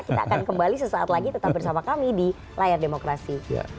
kita akan kembali sesaat lagi tetap bersama kami di layar demokrasi